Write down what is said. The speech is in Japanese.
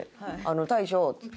「大将」っつって。